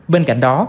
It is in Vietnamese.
bên cạnh đó